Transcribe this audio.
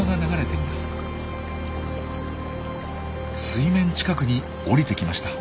水面近くに降りてきました。